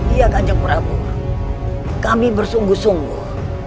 iya kanjeng prabu kami bersungguh sungguh